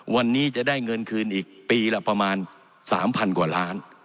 วันนี้จะได้เงินคืนอีกปีละประมาณ๓๐๐กว่าล้าน